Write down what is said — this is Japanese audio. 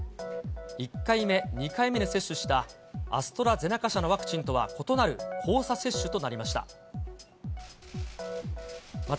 １回目、２回目に接種したアストラゼネカ社のワクチンとは異なる、交差接種となりました。